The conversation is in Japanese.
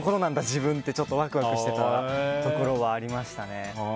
自分ってちょっとワクワクしてたところはありましたね。